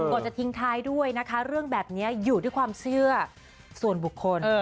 จะทิ้งท้ายด้วยนะคะเรื่องแบบนี้อยู่ที่ความเชื่อส่วนบุคคล